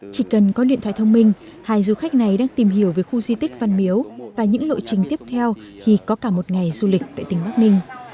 chỉ cần có điện thoại thông minh hai du khách này đang tìm hiểu về khu di tích văn miếu và những lộ trình tiếp theo khi có cả một ngày du lịch tại tỉnh bắc ninh